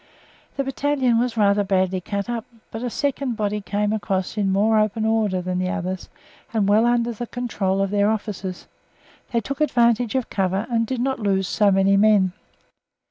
The battalion was rather badly cut up, but a second body came across in more open order than the others, and well under the control of their officers; they took advantage of cover, and did not lose so many men.